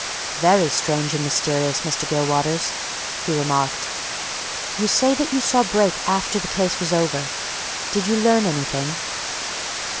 "Very strange and mysterious, Mr. Gilwaters," he remarked. "You say that you saw Brake after the case was over. Did you learn anything?"